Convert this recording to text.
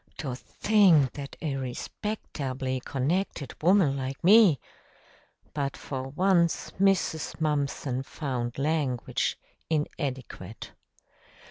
"To think that a respecterbly connected woman like me " But for once Mrs. Mumpson found language inadequate.